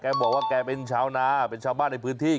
บอกว่าแกเป็นชาวนาเป็นชาวบ้านในพื้นที่